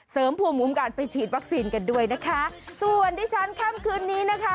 เสริมภูมิคุ้มการไปฉีดวัคซีนกันด้วยนะคะส่วนดิฉันค่ำคืนนี้นะคะ